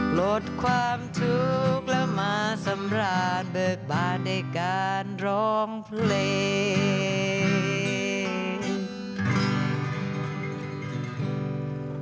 ปลดความทุกข์แล้วมาสำราญเบิกบานในการร้องเพลง